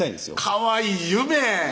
かわいい夢！